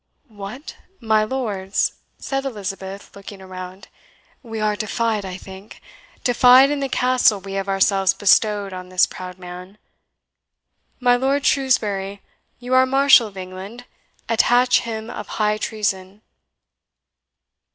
"What! my lords," said Elizabeth, looking around, "we are defied, I think defied in the Castle we have ourselves bestowed on this proud man! My Lord Shrewsbury, you are Marshal of England, attach him of high treason."